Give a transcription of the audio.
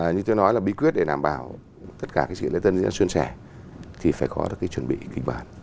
như tôi nói là bí quyết để đảm bảo tất cả sự lễ dân diễn ra xuân sẻ thì phải có chuẩn bị kinh bản